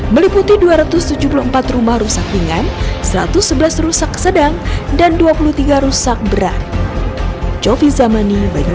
meliputi dua ratus tujuh puluh empat rumah rusak ringan satu ratus sebelas rusak sedang dan dua puluh tiga rusak berat